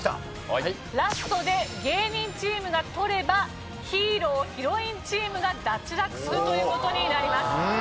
ラストで芸人チームが取ればヒーローヒロインチームが脱落するという事になります。